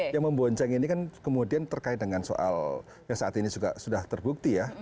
yang membonceng ini kan kemudian terkait dengan soal yang saat ini juga sudah terbukti ya